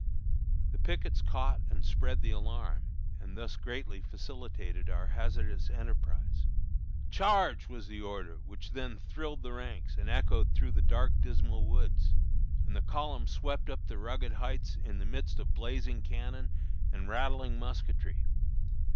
The pickets caught and spread the alarm, and thus greatly facilitated our hazardous enterprise. "Charge!" was the order which then thrilled the ranks and echoed through the dark, dismal woods, and the column swept up the rugged Heights in the midst of blazing cannon and rattling musketry.